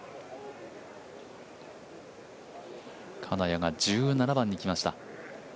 金谷が１７番に来ました。